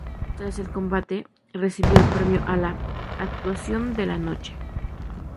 Tras el combate, recibió el premio a la "Actuación de la Noche".